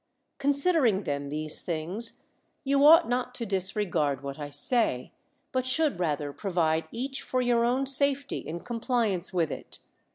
Considering then these things, you ought not to disregard what I sa}", but should rather provide each for your own safety in compliance with it.